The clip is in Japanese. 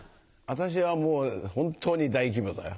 私はもう本当に大規模だよ。